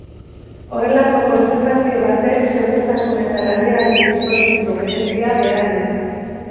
Horrelako kontzentrazio batek segurtasun eta larrialdi dispositibo berezia behar du.